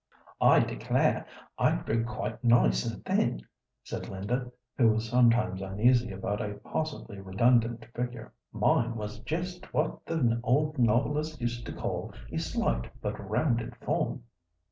"I declare I grew quite nice and thin," said Linda, who was sometimes uneasy about a possibly redundant figure; "mine was just what the old novelists used to call 'a slight, but rounded form.